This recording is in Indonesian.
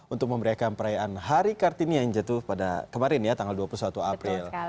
untuk memberikan perayaan hari kartini yang jatuh pada kemarin ya tanggal dua puluh satu april